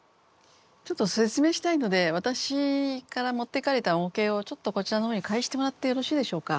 ちょっと説明したいので私から持っていかれた模型をちょっとこちらの方に返してもらってよろしいでしょうか？